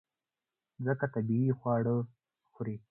ځکه طبیعي خواړه خوري.